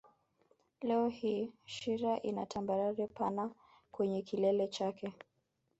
Leo hii Shira ina tambarare pana kwenye kilele chake